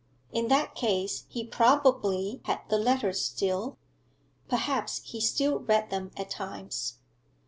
In that case he probably had the letters still; perhaps he still read them at times.